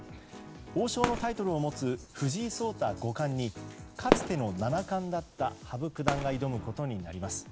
王将のタイトルを持つ藤井聡太五冠にかつての七冠だった羽生九段が挑むことになります。